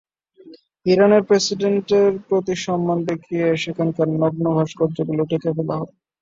ইরানের প্রেসিডেন্টের প্রতি সম্মান দেখিয়ে সেখানকার নগ্ন ভাস্কর্যগুলো ঢেকে ফেলা হয়।